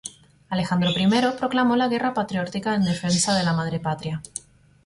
Alejandro I proclamó la Guerra Patriótica en defensa de la Madre Patria.